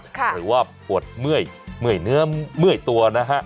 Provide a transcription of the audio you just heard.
หรือว่าปวดเมื่อยเมื่อยเนื้อเมื่อยตัวนะฮะ